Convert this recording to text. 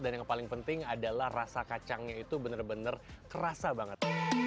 dan yang paling penting adalah rasa kacangnya itu bener bener kerasa banget